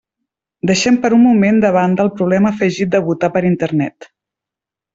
Deixem per un moment de banda el problema afegit de votar per Internet.